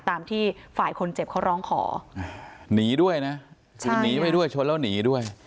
ตามที่ฝ่ายคนเจ็บเขาร้องขอหนีด้วยนะคือหนีไปด้วยชนแล้วหนีด้วย